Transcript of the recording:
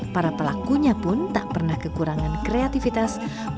para pelakunya pun tak pernah kekurangan kreativitas